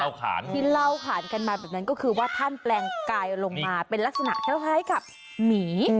ที่เล่าขานกันมาแบบนั้นก็คือว่าท่านแปลงกายลงมาเป็นลักษณะคล้ายกับหมี